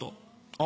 あ！